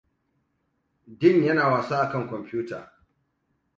Ding yana wasa a kan komputa.